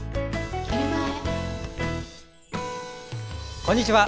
こんにちは。